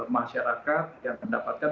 masyarakat yang mendapatkan